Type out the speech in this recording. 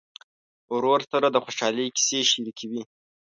ورور سره د خوشحالۍ کیسې شريکې وي.